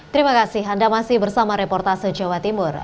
terima kasih anda masih bersama reportase jawa timur